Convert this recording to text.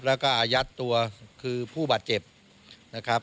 แล้วก็อายัดตัวคือผู้บาดเจ็บนะครับ